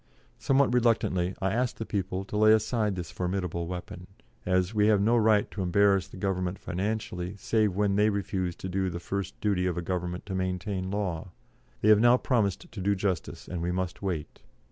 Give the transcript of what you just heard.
Somewhat reluctantly, I asked the people to lay aside this formidable weapon, as "we have no right to embarrass the Government financially save when they refuse to do the first duty of a Government to maintain law. They have now promised to do justice, and we must wait."